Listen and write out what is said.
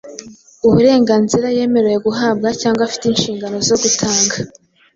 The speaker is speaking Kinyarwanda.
uburenganzira yemerewe guhabwa cyangwa afite inshingano zo gutanga